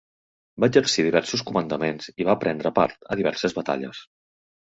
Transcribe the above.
Va exercir diversos comandaments i va prendre part a diverses batalles.